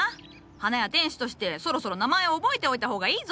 花屋店主としてそろそろ名前を覚えておいた方がいいぞ。